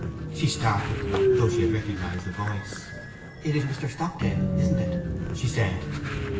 She started, though she had recognized the voice. 'It is Mr. Stockdale, isn't it?' she said.